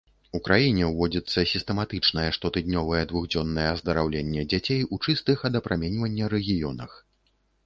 У краіне ўводзіцца сістэматычнае штотыднёвае двухдзённае аздараўленне дзяцей у чыстых ад апраменьвання рэгіёнах.